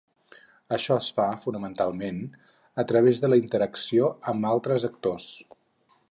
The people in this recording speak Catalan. Això es fa, fonamentalment, a través de la interacció amb altres actors.